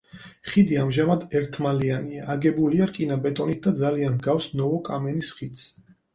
ხიდი ამჟამად ერთმალიანია, აგებულია რკინა-ბეტონით და ძალიან ჰგავს ნოვო-კამენის ხიდს.